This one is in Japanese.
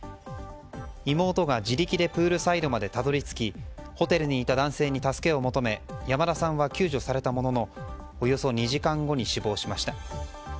妹が自力でプールサイドまでたどり着きホテルにいた男性に助けを求め山田さんは救助されたもののおよそ２時間後に死亡しました。